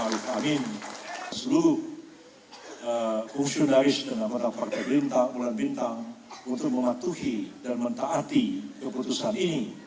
saya berharap untuk fungsionaris dengan mata partai bulan bintang untuk mematuhi dan mentaati keputusan ini